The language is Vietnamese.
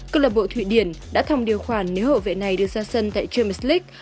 cơ lợi bộ thụy điển đã thòng điều khoản nếu hậu vệ này được ra sân tại champions league